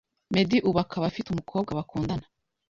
Meddy ubu akaba afite umukobwa bakundana